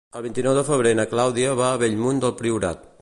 El vint-i-nou de febrer na Clàudia va a Bellmunt del Priorat.